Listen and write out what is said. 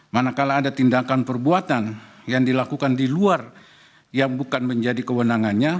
manakala ada tindakan perbuatan yang dilakukan di luar yang bukan menjadi kewenangannya